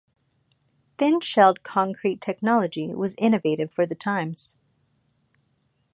Thin-shelled concrete technology was innovative for the times.